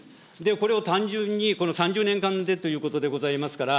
これを単純に３０年間でということでございますから、